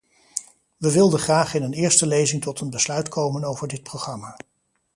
We wilden graag in eerste lezing tot een besluit komen over dit programma.